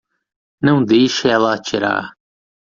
Não deixe ela atirar.